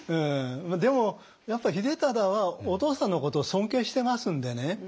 でもやっぱ秀忠はお父さんのことを尊敬してますんでね。